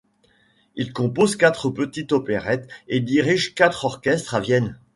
Il compose quatre petites opérettes et dirige quatre orchestres à Vienne.